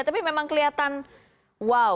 tapi memang kelihatan wow